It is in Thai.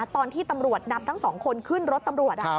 ตอนที่ตำรวจนำทั้งสองคนขึ้นรถตำรวจ